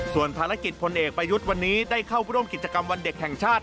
ส่วนภารกิจพลเอกประยุทธ์วันนี้ได้เข้าร่วมกิจกรรมวันเด็กแห่งชาติ